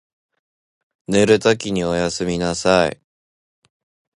寝るときにおやすみなさい。